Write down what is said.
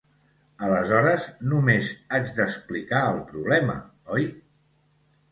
Aleshores només haig d'explicar el problema, oi?